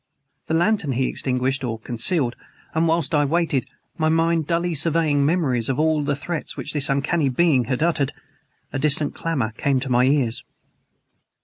The lantern he extinguished, or concealed; and whilst I waited, my mind dully surveying memories of all the threats which this uncanny being had uttered, a distant clamor came to my ears.